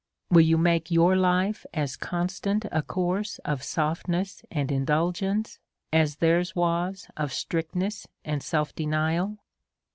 WUl you make your life as constant a course of softness and in * dulgence, as theirs was of strictness and self denial